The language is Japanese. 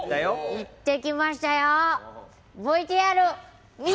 行ってきましたよ。